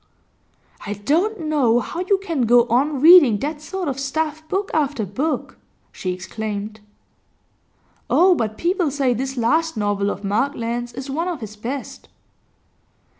'I don't know how you can go on reading that sort of stuff, book after book,' she exclaimed. 'Oh, but people say this last novel of Markland's is one of his best.